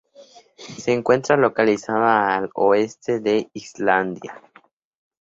Se encuentra localizada al oeste de Islandia.